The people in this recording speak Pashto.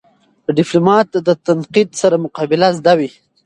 د ډيپلومات د تنقید سره مقابله زده وي.